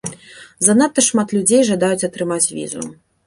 Занадта шмат людзей жадаюць атрымаць візу.